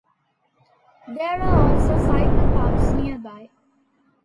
There are also cycle parks nearby.